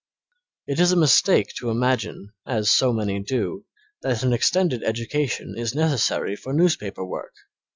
It is a mistake to imagine, as so many do, that an extended education is necessary for newspaper work.